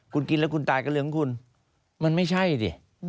คุณกินแล้วคุณตายก็เหลืองคุณมันไม่ใช่สิ